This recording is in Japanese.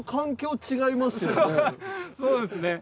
そうですね